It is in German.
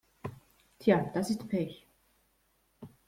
Tja, das ist Pech.